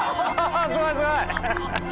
◆舛すごいすごい